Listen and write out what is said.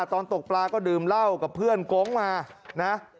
ตกปลาก็ดื่มเหล้ากับเพื่อนโก๊งมานะ